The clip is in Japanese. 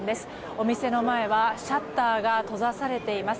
お店の前はシャッターが閉ざされています。